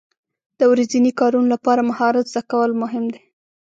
د ورځني کارونو لپاره مهارت زده کول مهم دي.